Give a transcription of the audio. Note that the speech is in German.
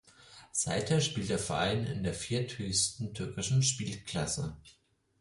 Seither spielt der Verein in dieser vierthöchsten türkischen Spielklasse.